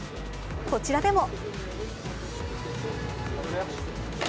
こちらでも。